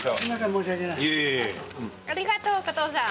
ありがとうお父さん。